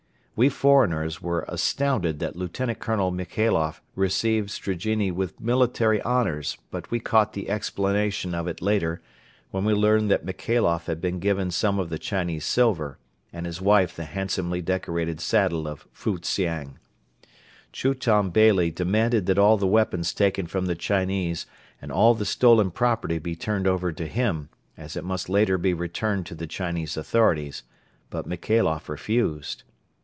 We foreigners were astounded that Lt. Colonel Michailoff received Strigine with military honors but we caught the explanation of it later when we learned that Michailoff had been given some of the Chinese silver and his wife the handsomely decorated saddle of Fu Hsiang. Chultun Beyli demanded that all the weapons taken from the Chinese and all the stolen property be turned over to him, as it must later be returned to the Chinese authorities; but Michailoff refused.